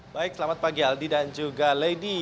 baik selamat pagi aldi dan juga lady